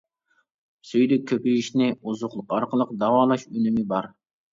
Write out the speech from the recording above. سۈيدۈك كۆپىيىشنى ئوزۇقلۇق ئارقىلىق داۋالاش ئۈنۈمى بار.